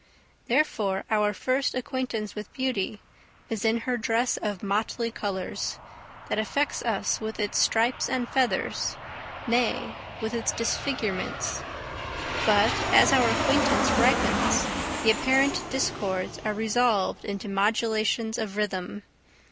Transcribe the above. Therefore our first acquaintance with beauty is in her dress of motley colours, that affects us with its stripes and feathers, nay, with its disfigurements. But as our acquaintance ripens, the apparent discords are resolved into modulations of rhythm.